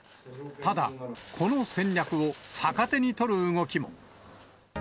ただ、この戦略を逆手に取る動きも。